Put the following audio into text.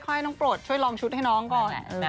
ให้น้องโปรดช่วยลองชุดให้น้องก่อน